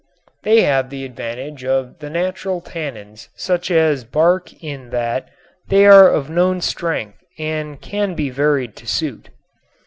They have the advantage of the natural tannins such as bark in that they are of known strength and can be varied to suit.